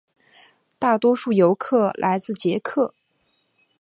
大多数游客来自捷克。